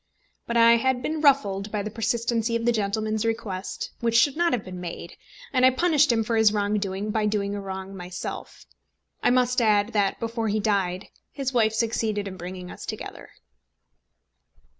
But I had been ruffled by the persistency of the gentleman's request, which should not have been made, and I punished him for his wrong doing by doing a wrong myself. I must add, that before he died his wife succeeded in bringing us together.